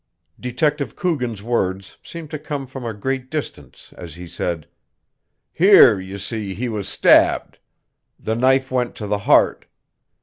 Detective Coogan's words seemed to come from a great distance as he said: "Here, you see, he was stabbed. The knife went to the heart.